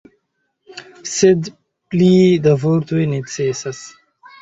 Sed pli da vortoj necesas?